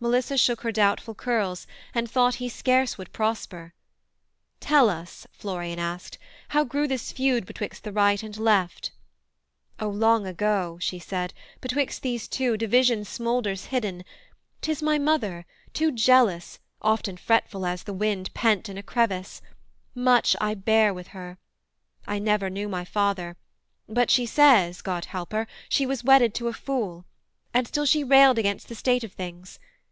Melissa shook her doubtful curls, and thought He scarce would prosper. 'Tell us,' Florian asked, 'How grew this feud betwixt the right and left.' 'O long ago,' she said, 'betwixt these two Division smoulders hidden; 'tis my mother, Too jealous, often fretful as the wind Pent in a crevice: much I bear with her: I never knew my father, but she says (God help her) she was wedded to a fool; And still she railed against the state of things.